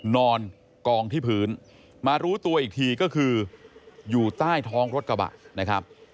นอนกองที่พื้นมารู้ตัวอีกทีก็คืออยู่ใต้ท้องรถกระบะนะครับ